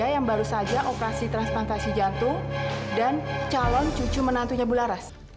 aida yang baru saja operasi transplantasi jantung dan calon cucu menantunya bularas